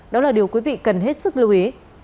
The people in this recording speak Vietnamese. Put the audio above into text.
đó là điều quý vị cần hết sức lưu ý